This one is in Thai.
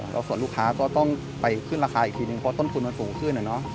แล้วส่วนลูกค้าก็ต้องไปขึ้นราคาอีกทีนึงเพราะต้นทุนมันสูงขึ้น